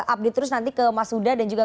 update terus nanti ke mas huda dan juga